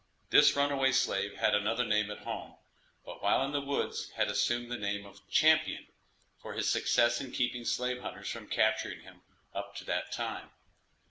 This runaway slave had another name at home, but while in the woods had assumed the name of Champion, for his success in keeping slave hunters from capturing him up to that time.